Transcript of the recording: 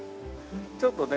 ちょっとね